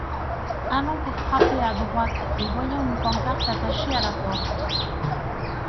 Allant pour frapper à droite et voyant une pancarte attachée à la porte.